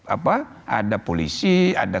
apa ada polisi ada